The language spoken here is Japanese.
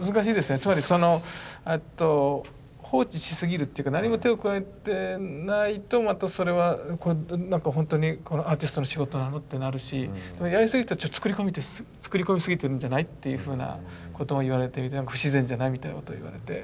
つまりそのえっと放置しすぎるっていうか何も手を加えてないとまたそれは何かほんとにアーティストの仕事なの？ってなるしやりすぎると作り込みすぎてるんじゃないっていうふうなことを言われて不自然じゃない？みたいなことを言われて。